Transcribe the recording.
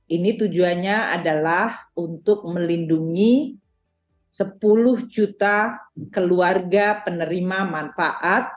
ini tujuannya adalah untuk melindungi sepuluh juta keluarga penerima manfaat